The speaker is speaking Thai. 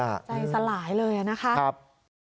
ใจสลายเลยนะครับ